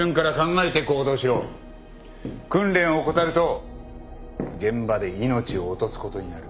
訓練を怠ると現場で命を落とすことになる。